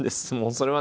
それはね